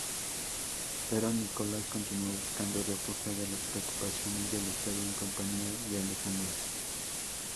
Pero Nicolás continuó buscando refugio de las preocupaciones del Estado en compañía de Alejandra.